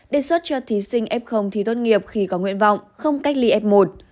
đề xuất cho thí sinh f thí tốt nghiệp khi có nguyện vọng không cách ly f một